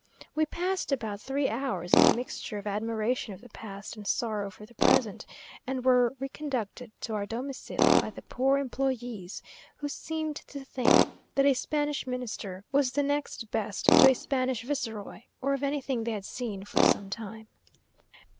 We passed about three hours in a mixture of admiration of the past and sorrow for the present, and were reconducted to our domicile by the poor employes, who seemed to think that a Spanish Minister was the next best to a Spanish viceroy, or of anything they had seen for some time.